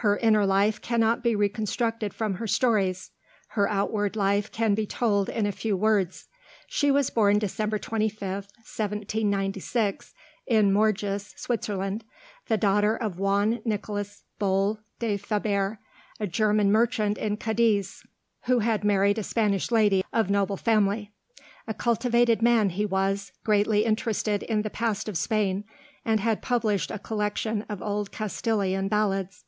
Her inner life cannot be reconstructed from her stories: her outward life can be told in a few words. She was born December 25th, 1796, in Morges, Switzerland, the daughter of Juan Nicholas Böhl de Faber, a German merchant in Cadiz, who had married a Spanish lady of noble family. A cultivated man he was, greatly interested in the past of Spain, and had published a collection of old Castilian ballads.